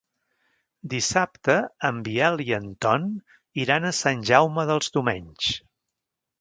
Dissabte en Biel i en Ton iran a Sant Jaume dels Domenys.